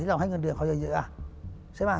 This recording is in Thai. ที่เราให้เงินเดือนเขาเยอะ